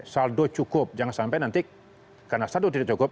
saldo cukup jangan sampai nanti karena saldo tidak cukup